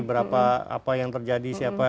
berapa apa yang terjadi siapa